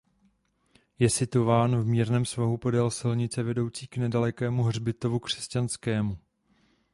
Je situován v mírném svahu podél silnice vedoucí k nedalekému hřbitovu křesťanskému.